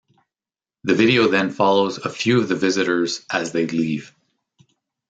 The video then follows a few of the visitors as they leave.